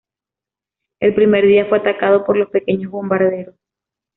El primer día fue atacado por los pequeños bombarderos.